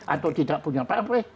atau tidak punya pamreh